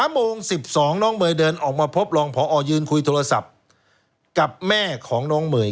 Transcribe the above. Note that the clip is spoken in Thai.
โมง๑๒น้องเมย์เดินออกมาพบรองพอยืนคุยโทรศัพท์กับแม่ของน้องเมย์